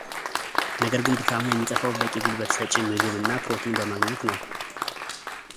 ነገር ግን ድካሙ የሚጠፋው በቂ ጉልበት ሰጪ ምግብ እና ፕሮቲን በማግኘት ነው።